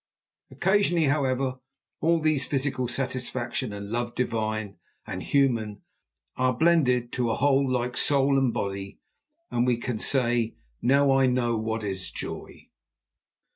Occasionally, however, all these, physical satisfaction and love divine and human, are blended to a whole, like soul and body, and we can say, "Now I know what is joy."